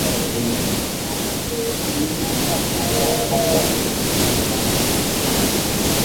kuchukua ili kujipunguzia hatari Kadhalika ni muhimu kwa